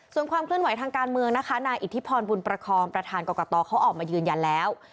ส่วนความเคลื่อนไหวทางการเมืองนะคะนายอิทธิพรบุญประคอมประธานกรกตเขาออกมายืนยันแล้ว